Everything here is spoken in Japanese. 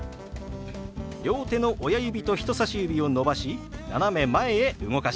両手の親指と人さし指を伸ばし斜め前へ動かします。